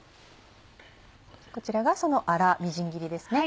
こちらがその粗みじん切りですね。